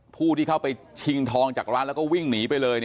ผู้ที่เข้าไปชิงทองจากร้านแล้วก็วิ่งหนีไปเลย